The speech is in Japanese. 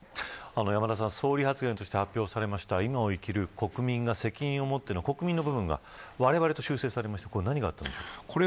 山田さん、総理発言として発表された今を生きる国民が責任をもって国民の部分が、われわれに修正されましたがいかがですか。